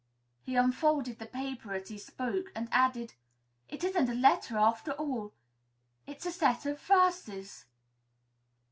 He unfolded the paper as he spoke and added, "It isn't a letter, after all; it's a set of verses."